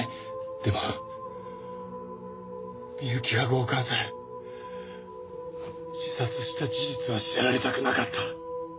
でも深雪が強姦され自殺した事実は知られたくなかった。